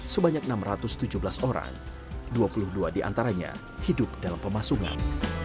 sebanyak enam ratus tujuh belas orang dua puluh dua diantaranya hidup dalam pemasungan